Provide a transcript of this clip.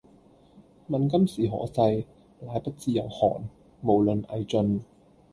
問今是何世，乃不知有漢，無論魏晉